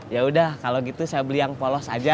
yaudah kalau gitu saya beli yang polos aja